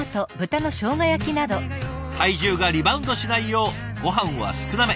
体重がリバウンドしないようごはんは少なめ。